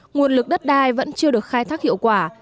nguồn lực đất đai vẫn chưa được khai thác hiệu quả